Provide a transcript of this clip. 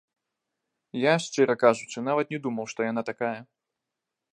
Я, шчыра кажучы, нават не думаў, што яна такая.